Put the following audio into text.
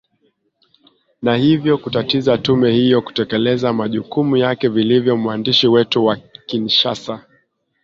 na hivyo kutatiza tume hiyo kutekeleza majukumu yake vilivyo mwandishi wetu wa kinshasa